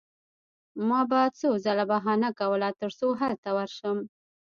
ما به څو ځله بهانه کوله ترڅو هلته ورشم